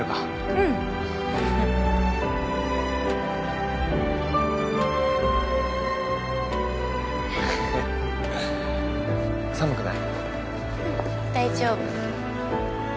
うん大丈夫。